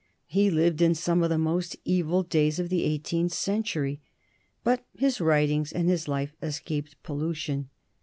He lived in some of the most evil days of the eighteenth century, but his writings and his life escaped pollution.